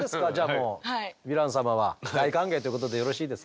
もうヴィラン様は大歓迎ってことでよろしいですか？